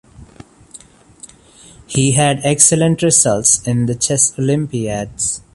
He had excellent results in the Chess Olympiads.